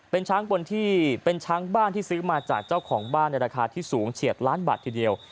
เป็นช้างบนที่เป็นช้างบ้านที่ซื้อมาจากเจ้าของบ้านในราคาที่สูงเฉียดล้านบาททีเดียว